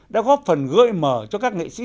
đã góp phần gợi mở cho các nghệ sĩ